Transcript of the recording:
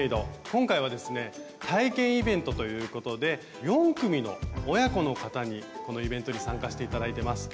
今回はですね体験イベントということで４組の親子の方にこのイベントに参加して頂いてます。